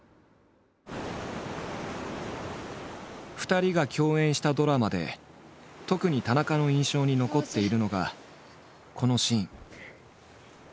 ２人が共演したドラマで特に田中の印象に残っているのがこのシーン。